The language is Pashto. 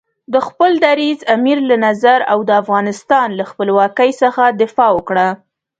د خپل دریځ، امیر له نظر او د افغانستان له خپلواکۍ څخه دفاع وکړه.